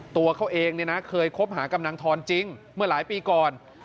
ตัวเขาเองเนี่ยนะเคยคบหากับนางทอนจริงเมื่อหลายปีก่อน